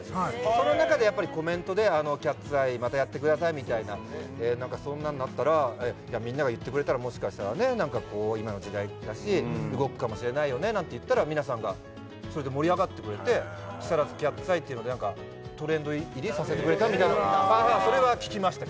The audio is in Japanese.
その中でやっぱりコメントで「キャッツアイ」またやってくださいみたいなそんなんなったらみんなが言ってくれたらもしかしたらね今の時代だし動くかもしれないよねなんて言ったら皆さんがそれで盛り上がってくれて「木更津キャッツアイ」っていうのでトレンド入りさせてくれたみたいなそれは聞きました